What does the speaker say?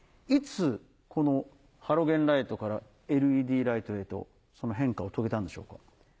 いつこのハロゲンライトからＬＥＤライトへと変化を遂げたんでしょうか？